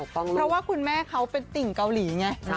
เพราะว่าคุณแม่เขาเป็นติ่งเกาหลีไง